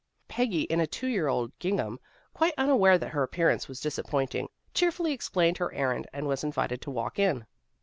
Peggy, in a two year old gingham, quite unaware that her appearance was disappointing, cheerfully explained her errand and was invited to walk in.